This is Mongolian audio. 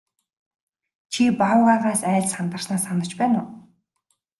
Чи баавгайгаас айж сандарснаа санаж байна уу?